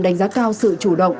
đánh giá cao sự chủ động